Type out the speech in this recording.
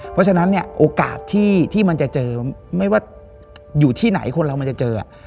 เพราะฉะนั้นเนี่ยโอกาสที่มันจะเจอไม่ว่าอยู่ที่ไหนคนเรามันจะเจอ